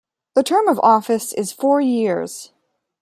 The term of office is four years.